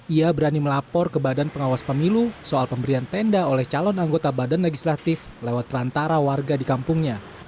ia berani melapor ke badan pengawas pemilu soal pemberian tenda oleh calon anggota badan legislatif lewat perantara warga di kampungnya